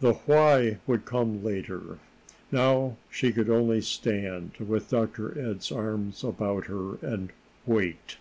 The why would come later. Now she could only stand, with Dr. Ed's arms about her, and wait.